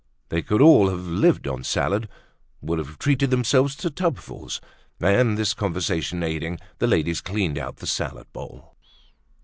They could all have lived on salad, would have treated themselves to tubfuls. And, this conversation aiding, the ladies cleaned out the salad bowl.